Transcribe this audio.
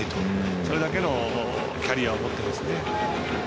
それだけのキャリアを持ってますね。